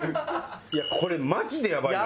いやこれマジでやばいな。